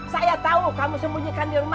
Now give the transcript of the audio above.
saya tahu kamu sembunyikan di rumah